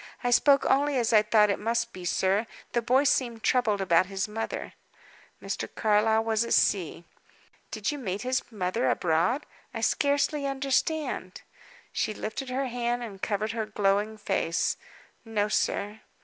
I spoke only as I thought it must be, sir. The boy seemed troubled about his mother." Mr. Carlyle was at sea. "Did you meet his mother abroad? I scarcely understand." She lifted her hand and covered her glowing face. "No, sir."